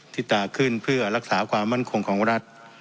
ตาขึ้นเพื่อรักษาความมั่นคงของรัฐ